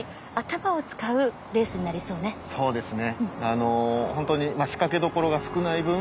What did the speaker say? そうですね。